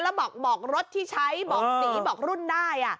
แล้วบอกรถที่ใช้บอกสีบอกรุ่นได้